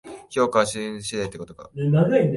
評価は値段次第ってことか